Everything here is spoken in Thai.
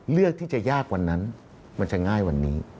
เลือกที่จะยากกว่านั้นมันจะง่ายกว่านี้